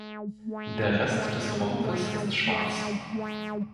Der Rest des Rumpfes ist schwarz.